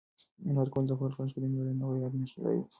انارګل په خپل غږ کې د میړانې او غیرت نښې لرلې.